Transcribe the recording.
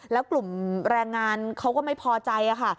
แล้วกลุ่มแรงงานเขาก็ไม่พอใจค่ะ